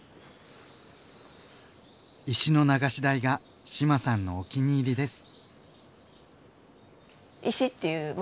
石の流し台が志麻さんのお気に入りです。